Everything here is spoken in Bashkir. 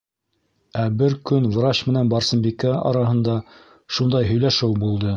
Ә бер көн врач менән Барсынбикә араһында шундай һөйләшеү булды.